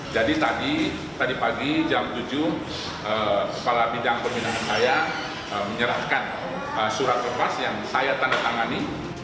jadi tadi pagi jam tujuh kepala bidang pemindahan saya menyerahkan surat bebas yang saya tandatangani